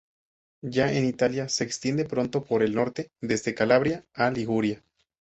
Ya en Italia, se extiende pronto por el norte, desde Calabria a Liguria.